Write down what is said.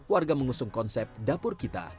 warga mengusung konsep dapur kita